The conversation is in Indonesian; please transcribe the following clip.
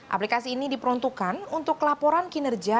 aplikasi ini diperuntukkan untuk laporan kinerja